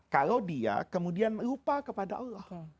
kalau dia kemudian lupa kepada allah